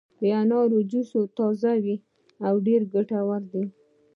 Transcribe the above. د انارو جوس تازه وي او ډېر ګټور دی.